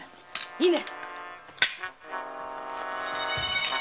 いいね！